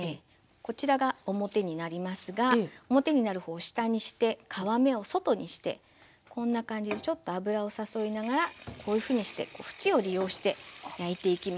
こちらが表になりますが表になる方を下にして皮目を外にしてこんな感じでちょっと油を誘いながらこういうふうにして縁を利用して焼いていきます。